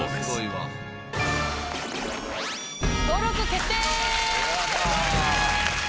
登録決定！